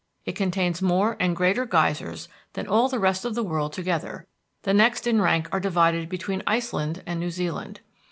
It contains more and greater geysers than all the rest of the world together; the next in rank are divided between Iceland and New Zealand.